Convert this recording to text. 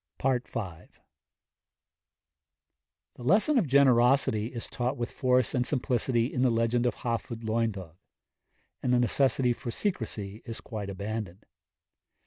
V. The lesson of generosity is taught with force and simplicity in the legend of Hafod Lwyddog, and the necessity for secrecy is quite abandoned.